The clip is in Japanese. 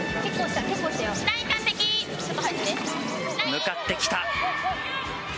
向かってきた。